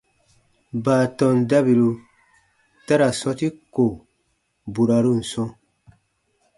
Baatɔn dabiru ta ra sɔ̃ti ko burarun sɔ̃,